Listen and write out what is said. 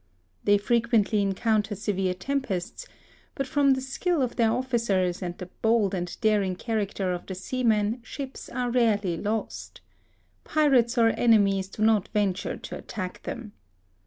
—They frequently encounter severe tempests, but from the skill of their officers, and the bold and daring character of the seamen, ships are rarely lost. Pirates or enemies do not venture to attack them.